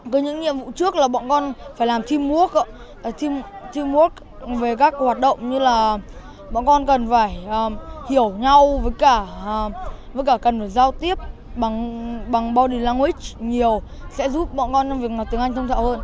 còn những nhiệm vụ trước là bọn con phải làm teamwork với các hoạt động như là bọn con cần phải hiểu nhau với cả cần phải giao tiếp bằng body language nhiều sẽ giúp bọn con làm việc tiếng anh thông thạo hơn